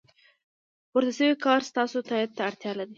پورته شوی کار ستاسو تایید ته اړتیا لري.